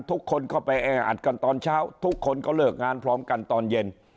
ทุกคนก็ไปแออัดกันตอนเช้าทุกคนก็เลิกงานพร้อมกันตอนเย็น